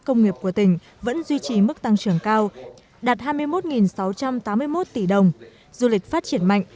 công nghiệp của tỉnh vẫn duy trì mức tăng trưởng cao đạt hai mươi một sáu trăm tám mươi một tỷ đồng du lịch phát triển mạnh